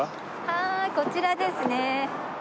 はいこちらですね。